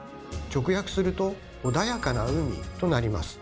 直訳すると「穏やかな海」となります。